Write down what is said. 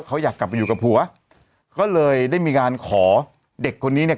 เขาอยากกลับไปอยู่กับผัวก็เลยได้มีการขอเด็กคนนี้เนี่ย